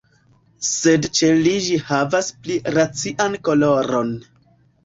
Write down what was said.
Sed ĉe li ĝi havas pli racian koloron.